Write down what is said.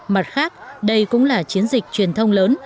mặt khác đây cũng là chiến dịch truyền thông lớn